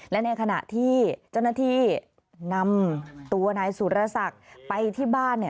และในขณะที่เจ้าหน้าที่นำตัวนายสุรศักดิ์ไปที่บ้าน